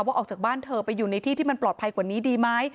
ออกจากบ้านเธอไปอยู่ในที่ที่มันปลอดภัยกว่านี้ดีไหม